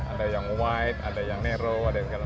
ada yang wide ada yang narrow ada yang segala